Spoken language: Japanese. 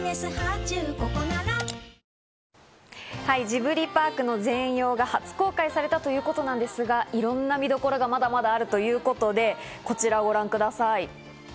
ジブリパークの全容が初公開されたということなんですが、いろんな見どころがまだまだあるということで、こちらをご覧ください。